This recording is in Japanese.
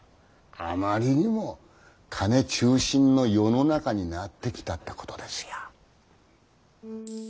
あまりにも金中心の世の中になってきたってことですよ。